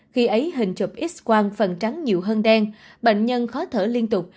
khi ấy hình chụp x quang phần trắng nhiều hơn đen bệnh nhân khó thở liên tục